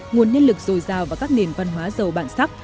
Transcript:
nguồn nhân lực dồi dào và các nền văn hóa giàu bản sắc